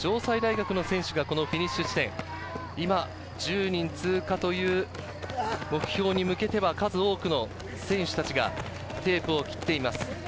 大東文化大学や城西大学の選手がこのフィニッシュ地点、今、１０人通過という目標に向けては数多くの選手たちがテープを切っています。